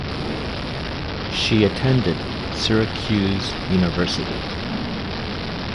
She attended Syracuse University.